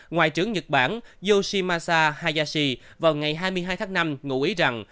ngoại trưởng nhật bản yoshimasa hayashi vào ngày hai mươi hai tháng năm ngụ ý rằng